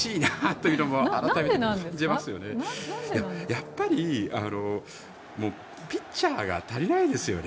やっぱりピッチャーが足りないですよね。